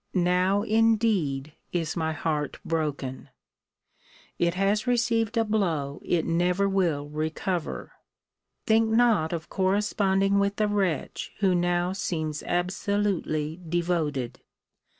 Now indeed is my heart broken! It has received a blow it never will recover. Think not of corresponding with a wretch who now seems absolutely devoted.